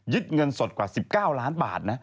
ยึดเงินสดกว่า๑๙ล้านบาท